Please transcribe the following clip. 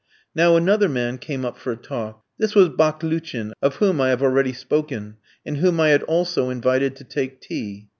Now another man came up for a talk. This was Baklouchin, of whom I have already spoken, and whom I had also invited to take tea.